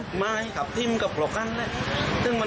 คำพิมพ์กับครกฮันนะ